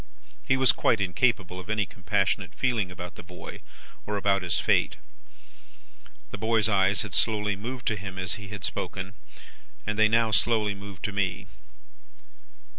He was quite incapable of any compassionate feeling about the boy, or about his fate. "The boy's eyes had slowly moved to him as he had spoken, and they now slowly moved to me.